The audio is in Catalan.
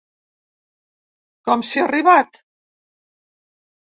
Com s’hi ha arribat?